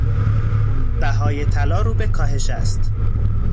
بهای طلا رو به کاهش است.